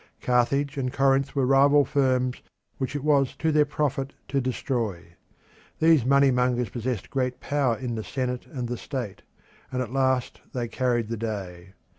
Carthage and Corinth were rival firms which it was to their profit to destroy. These money mongers possessed great power in the senate and the state, and at last they carried the day.